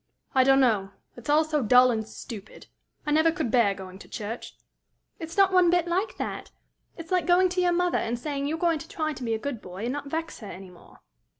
"I don't know. It's all so dull and stupid! I never could bear going to church." "It's not one bit like that! It's like going to your mother, and saying you're going to try to be a good boy, and not vex her any more."